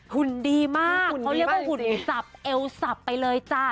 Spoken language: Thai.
หุ่นดีมากเขาเรียกว่าหุ่นสับเอวสับไปเลยจ้ะ